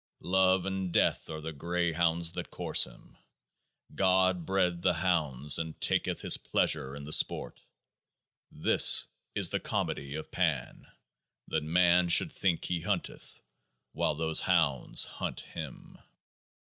Love and death are the greyhounds that course him. God bred the hounds and taketh His pleasure in the sport. This is the Comedy of Pan, that man should think he hunteth, while those hounds hunt him.